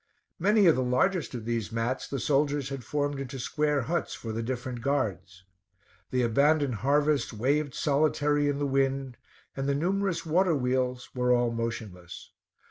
Many of the largest of these mats the soldiers had formed into square huts for the different guards. The abandoned harvests waved solitary in the wind, and the numerous water wheels were all motionless.